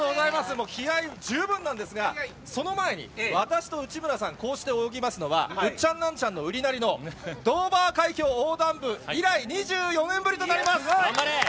もう、気合十分なんですが、その前に、私と内村さん、こうして泳ぎますのは、ウッチャンナンチャンのウリナリ！！のドーバー海峡横断部以来、頑張れ。